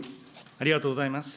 ありがとうございます。